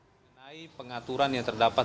mengenai pengaturan yang terdapat